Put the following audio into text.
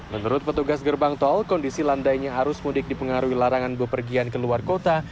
menurut petugas gerbang tol kondisi landainya arus mudik dipengaruhi larangan bepergian ke luar kota